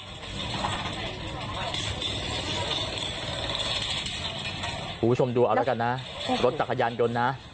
คุณผู้ชมดูเอาแล้วกันนะรถจักรยานยนต์นะ